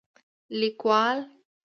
لیکوال: